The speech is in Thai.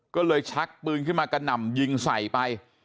ก็เลยชักปืนขึ้นมากระหน่ำยิงใส่ไป